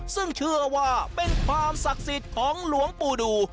ซึ่งเชื่อว่าเป็นความศักดิ์สิทธิ์ของหลวงปู่ดู